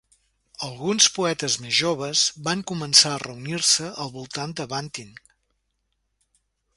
Alguns poetes més joves van començar a reunir-se al voltant de Bunting.